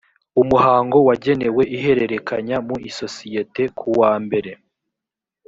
umuhango wagenewe ihererekanya mu isosiyete ku wa mbere